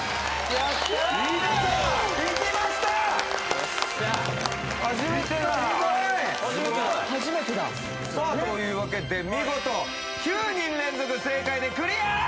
よっしゃ初めてださあというわけで見事９人連続正解でクリア！